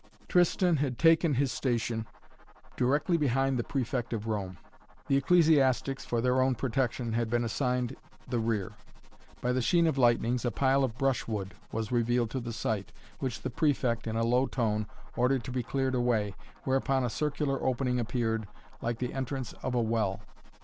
Tristan had taken his station directly behind the Prefect of Rome. The ecclesiastics, for their own protection, had been assigned the rear. By the sheen of lightnings a pile of brushwood was revealed to the sight, which the Prefect, in a low tone, ordered to be cleared away, whereupon a circular opening appeared, like the entrance of a well.